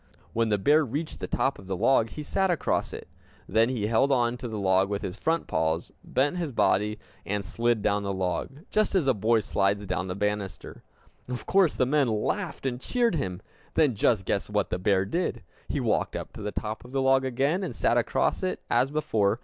When the bear reached the top of the log, he sat across it. Then he held on to the log with his front paws, bent his body, and slid down the log just as a boy slides down the banister! Of course the men laughed, and cheered him. Then just guess what that bear did! He walked up to the top of the log again, and sat across it, as before.